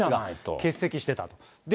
欠席してたと。